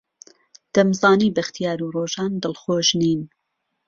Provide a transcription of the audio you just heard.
دەمزانی بەختیار و ڕۆژان دڵخۆش نین.